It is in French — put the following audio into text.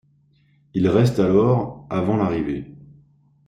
Il reste alors avant l'arrivée.